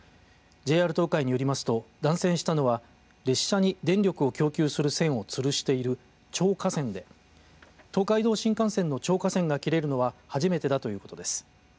ＪＲ東海によりますと断線したのは列車に電力を供給する線をつるしているちょう架線で東海道新幹線のちょう架線が切れるのは初めてだということです。